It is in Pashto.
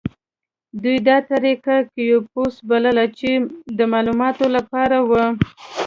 دوی دا طریقه کیوپوس بلله چې د معلوماتو لپاره وه.